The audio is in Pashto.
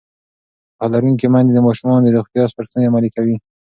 پوهه لرونکې میندې د ماشومانو د روغتیا سپارښتنې عملي کوي.